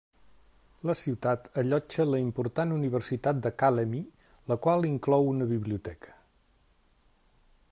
La ciutat allotja la important Universitat de Kalemie, la qual inclou una biblioteca.